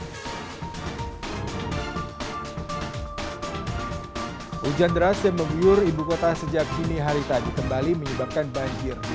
hai hujan deras yang membuyur ibukota sejak kini hari tadi kembali menyebabkan banjir di